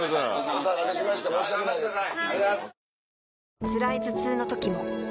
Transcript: お騒がせしました申し訳ないです。